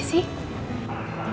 enggak kok kamu diem aja sih